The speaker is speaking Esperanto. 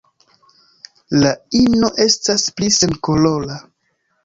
La ino estas pli senkolora.